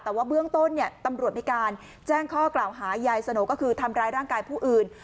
แต่ว่าเบื้องต้นเนี่ยตำรวจมีการแจ้งข้อกล่าวหายายสโนก็คือทำร้ายร่างกายผู้อื่น